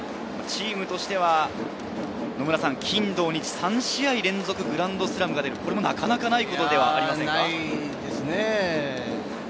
チームとしては金、土、日、３試合連続グランドスラムが出る、なかなかないことです。